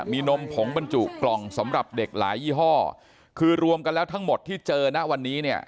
มีนมผงบรรจุกล่องสำหรับเด็กหลายยี่ห้อคือรวมกันแล้วทั้งหมดที่เจอนะวันนี้เนี่ย